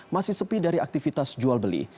masih sepi dari aktivitas jual beli